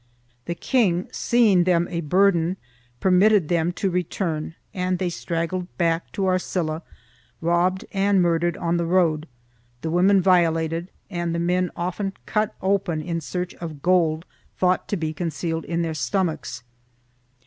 The king, seeing them a burden, permitted them to return and they straggled back to Arcilla, robbed and murdered on the road, the women violated and the men often cut open in search of gold thought to be concealed in their stomachs.